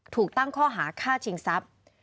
ถูกตั้งข้อหาฆ่าชิงทรัพย์